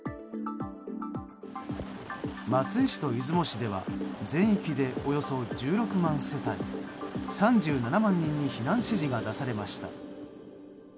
松江市と出雲市では全域でおよそ１６万世帯３７万人に避難指示が出されました。